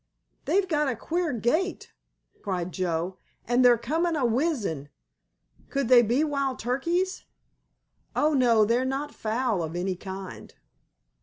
"They've got a queer gait," cried Joe, "and they're coming a whizzing. Could they be wild turkeys?" "Oh, no, they're not fowl of any kind."